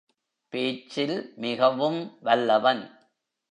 பேச்சில் மிகவும் வல்லவன்.